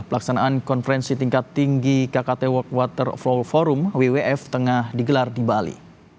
pelaksanaan konferensi tingkat tinggi kkt walk water flow forum wwf tengah digelar di bali